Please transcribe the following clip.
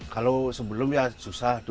kalau sebelumnya susah